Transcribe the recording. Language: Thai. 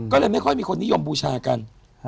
ก็เลยไม่ค่อยมีคนนิยมบูชากัน